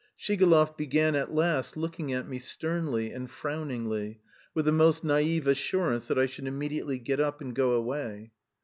Shigalov began at last looking at me sternly and frowningly, with the most naïve assurance that I should immediately get up and go away.